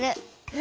え？